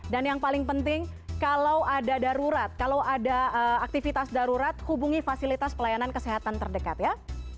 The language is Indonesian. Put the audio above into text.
dan yang paling penting kalau ada darurat kalau ada aktivitas darurat hubungi fasilitas pelayanan kesehatan terdekat ya